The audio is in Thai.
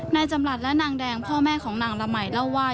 นายจำรัฐและนางแดงพ่อแม่ของนางละไหมเล่าว่า